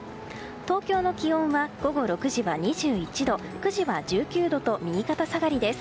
東京の気温は午後６時は２１度９時は１９度と右肩下がりです。